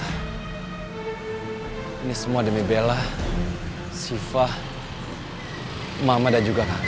ini semua demi bella siva mama dan juga kakak